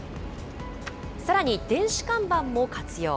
さらに、電子看板も活用。